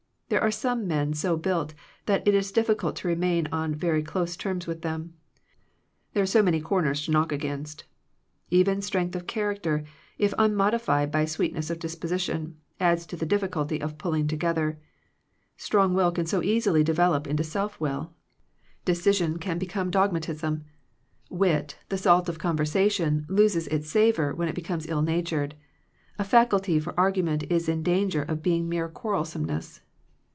There are some men so built that it is difficult to remain on very close terms with them, there are so many cor ners to knock against. Even strength of character, if unmodified by sweet ness of disposition, adds to the difficulty of pulling together. Strong will can so easily develop into self will*, decision 143 Digitized by VjOOQIC THE WRECK OF FRIENDSHIP can become dogmatism; wit the salt of conversation, loses its savor when it becomes ill natured; a faculty for argu ment is in danger of being mere quarrel someness.